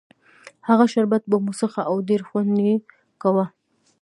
هغه شربت به مو څښه او ډېر خوند یې کاوه.